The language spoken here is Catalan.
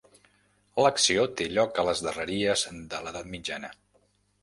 L'acció té lloc a les darreries de l'edat mitjana.